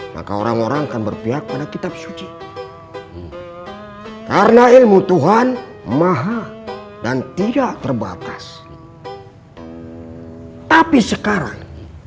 maka orang orang akan berpihak pada kitab suci karena ilmu tuhan maha dan tidak terbatas tapi sekarang